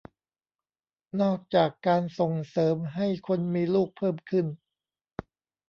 นอกจากการส่งเสริมให้คนมีลูกเพิ่มขึ้น